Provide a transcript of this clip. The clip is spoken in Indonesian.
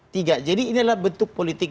tiga jadi inilah bentuk politik